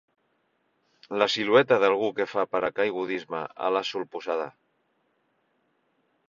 La silueta d'algú que fa paracaigudisme a la solpostada.